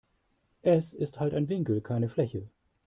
Es ist halt ein Winkel, keine Fläche.